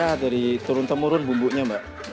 ya dari turun temurun bumbunya mbak